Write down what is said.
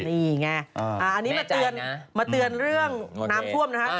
นี่ไงอันนี้มาเตือนเรื่องน้ำท่วมนะคะ